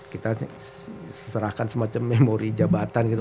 kita serahkan semacam memori jabatan gitu